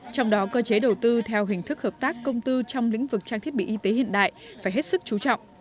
trong đó cơ chế đầu tư theo hình thức hợp tác công tư trong lĩnh vực trang thiết bị y tế hiện đại phải hết sức chú trọng